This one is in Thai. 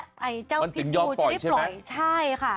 ไอ้เจ้าพิษบูจะได้ปล่อยใช่ค่ะ